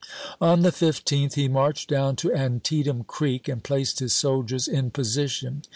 Sept., 1862. On the 15th he marched down to Antietam Creek and placed his soldiers in position.